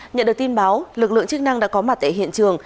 nhận được tin báo lực lượng chức năng đã có mặt tại hiện trường